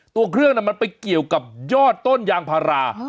ตัวเครื่องมันไปเกี่ยวกับยอดต้นยางพารา